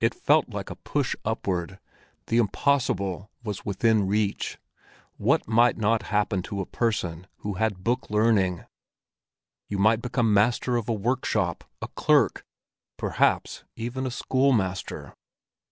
It felt like a push upward; the impossible was within reach; what might not happen to a person who had book learning! You might become master of a workshop, a clerk, perhaps even a schoolmaster.